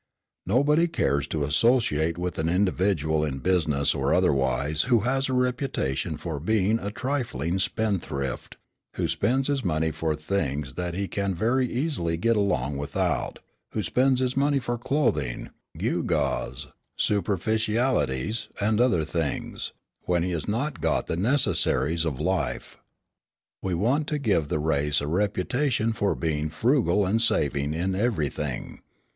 Nobody cares to associate with an individual in business or otherwise who has a reputation for being a trifling spendthrift, who spends his money for things that he can very easily get along without, who spends his money for clothing, gewgaws, superficialities, and other things, when he has not got the necessaries of life. We want to give the race a reputation for being frugal and saving in everything.